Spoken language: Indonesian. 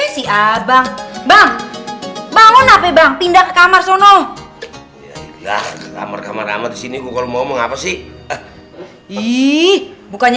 sampai jumpa di video selanjutnya